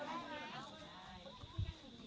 สวัสดี